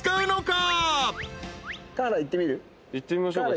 行ってみましょうか。